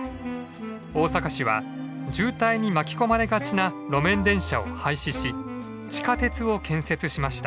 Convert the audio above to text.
大阪市は渋滞に巻き込まれがちな路面電車を廃止し地下鉄を建設しました。